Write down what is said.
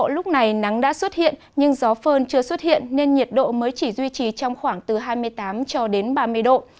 lúc này nắng đã xuất hiện nhưng gió phơn chưa xuất hiện nên nhiệt độ mới chỉ duy trì trong khoảng từ hai mươi tám cho đến ba mươi độ